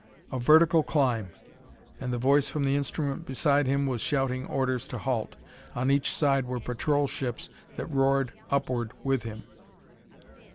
A vertical climb! and the voice from the instrument beside him was shouting orders to halt. On each side were patrol ships that roared upward with him.